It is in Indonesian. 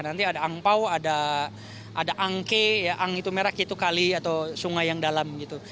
nanti ada angkau ada angkau merah itu kali atau sungai yang dalam gitu